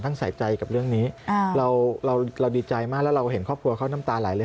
ใส่ใจกับเรื่องนี้เราเราดีใจมากแล้วเราเห็นครอบครัวเขาน้ำตาไหลเลย